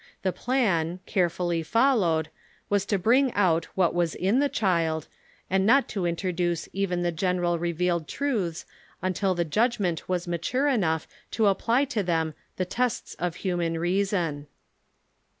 The plan, carefully followed, was to bring out what was in the child, and not to introduce even the general revealed truths until the judgment was mature enough to apply to them the tests of human reason.